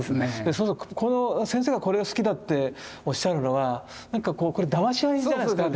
そうすると先生がこれが好きだっておっしゃるのはなんかこれだまし合いじゃないですか。